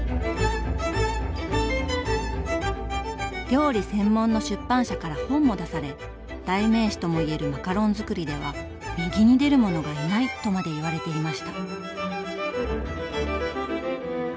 料理専門の出版社から本も出され代名詞とも言えるマカロンづくりでは「右に出る者がいない」とまで言われていました。